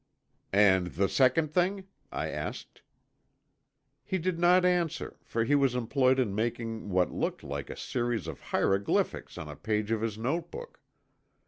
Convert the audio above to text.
"And the second thing?" I asked. He did not answer for he was employed in making what looked like a series of hieroglyphics on a page of his notebook.